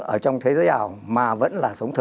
ở trong thế giới ảo mà vẫn là sống thực